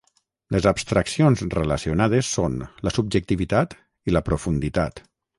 Les abstraccions relacionades són la subjectivitat i la profunditat.